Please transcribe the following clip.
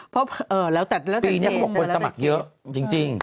เพราะแล้วแต่ปีนี้เขาบอกคนสมัครเยอะจริง